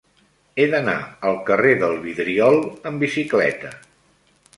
He d'anar al carrer del Vidriol amb bicicleta.